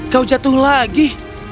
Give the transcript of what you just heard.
kau jatuh lagi